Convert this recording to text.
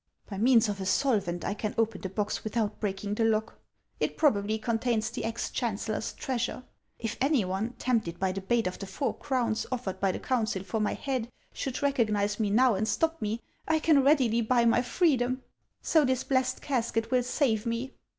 " By means of a solvent, I can open the box without breaking the lock. It probably contains the ex chan cellor's treasure. If any one, tempted by the bait of the four crowns offered by the council for my head, should recognize me now and stop me, I can readily buy my freedom. So this blessed casket will save me."